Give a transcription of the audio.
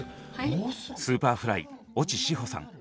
Ｓｕｐｅｒｆｌｙ越智志帆さん。